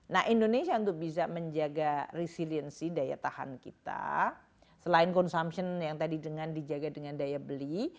nah indonesia untuk bisa menjaga resiliensi daya tahan kita selain consumption yang tadi dengan dijaga dengan daya beli